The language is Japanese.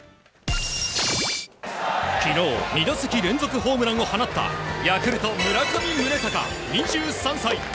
昨日、２打席連続ホームランを放ったヤクルト、村上宗隆、２３歳。